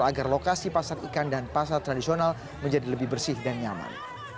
agar lokasi pasar ikan dan pasar tradisional menjadi lebih bersih dan nyaman